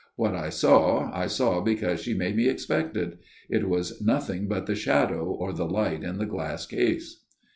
What I saw, I saw because she made me expect it. It was nothing but the shadow, or the light in the glass case."